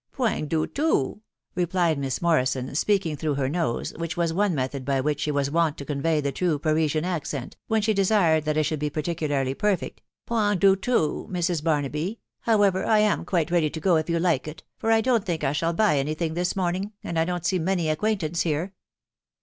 " Poing do too" replied Miss Morrison, speaking through her nose, which was one method by which she was wont to convey the true Parisian accent, when she desired that it should be particularly perfect .•.• e ( Poing do too, Mrs. Barnaby, however, I am quite ready to go if you like it, for I don't think I shall buy any thing this morning, and I don't see many ac quaintance here."